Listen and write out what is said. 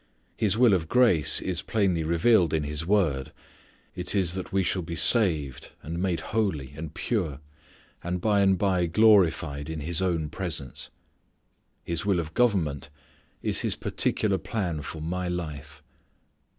His will of grace is plainly revealed in His Word. It is that we shall be saved, and made holy, and pure, and by and by glorified in his own presence. His will of government is His particular plan for my life.